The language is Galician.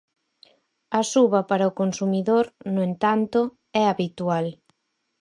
A suba para o consumidor, no entanto, é habitual.